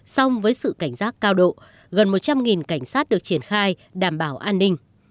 song với sự cảnh giác cao độ gần một trăm linh cảnh sát được triển khai đảm bảo an ninh